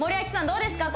どうですか